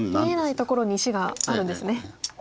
見えないところに石があるんですね。